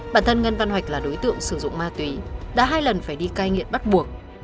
bản thân ngân văn hoạch là đối tượng sử dụng ma túy đã hai lần phải đi cai nghiện bắt buộc